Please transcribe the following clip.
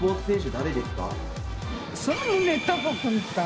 誰ですか？